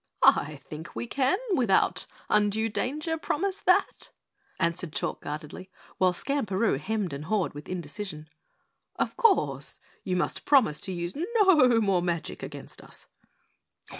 "I think we can, without undue danger, promise that," answered Chalk guardedly, while Skamperoo hemmed and hawed with indecision. "Of course, you must promise to use no more magic against us."